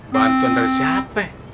bantuan dari siapa ya